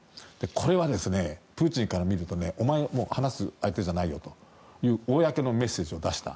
これはプーチンから見るとお前、話す相手じゃないよという公のメッセージを出した。